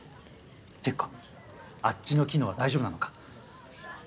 ってかあっちの機能は大丈夫なのか？